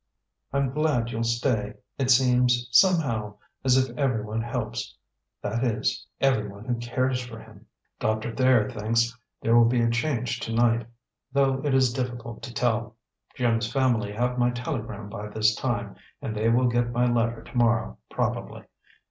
"I'm glad you'll stay. It seems, somehow, as if every one helps; that is, every one who cares for him." "Doctor Thayer thinks there will be a change tonight, though it is difficult to tell. Jim's family have my telegram by this time, and they will get my letter to morrow, probably.